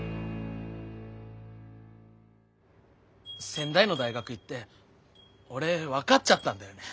仙台の大学行って俺分かっちゃったんだよね。